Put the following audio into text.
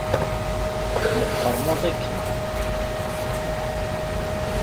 Meqqer maḍi kan.